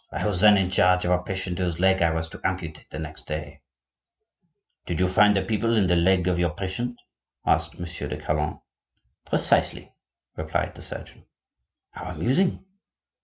"I was then in charge of a patient whose leg I was to amputate the next day—" "Did you find the People in the leg of your patient?" asked Monsieur de Calonne. "Precisely," replied the surgeon. "How amusing!"